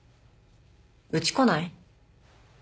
うち来ない？